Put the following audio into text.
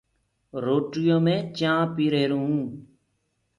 روٽيو مين چآنه پيهرون